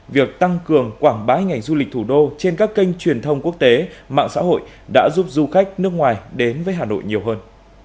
việc tăng cường quảng bá ngành du lịch thủ đô trên các kênh truyền thông quốc tế mạng xã hội đã giúp du khách nước ngoài đến với hà nội nhiều hơn